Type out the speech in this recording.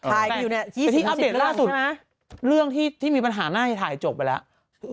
ร่าสุ่นเรื่องที่มีปัญหาหน้าย้าจบไปแล้ว